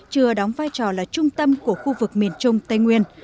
chưa đóng vai trò là trung tâm của khu vực miền trung tây nguyên